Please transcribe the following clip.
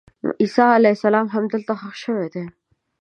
عیسی علیه السلام همدلته ښخ شوی دی.